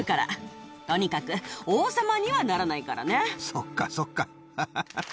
そっかそっかハハハ。